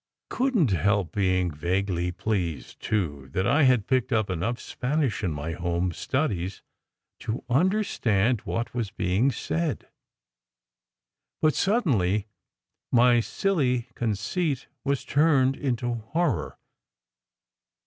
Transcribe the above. I couldn t help being vaguely pleased, too, that I had picked up enough Spanish in my home studies to understand what was being said. But suddenly my silly conceit was turned into horror.